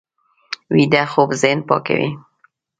ویده خوب ذهن پاکوي